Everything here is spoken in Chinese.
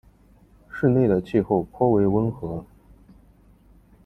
市内的气候颇为温和。